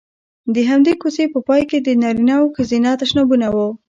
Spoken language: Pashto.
د همدې کوڅې په پای کې د نارینه او ښځینه تشنابونه وو.